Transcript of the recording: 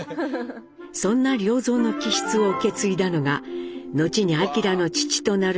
そんな良三の気質を受け継いだのがのちに明の父となる長男・喜一。